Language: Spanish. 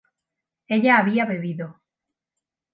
ella había bebido